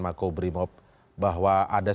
maka berimob bahwa ada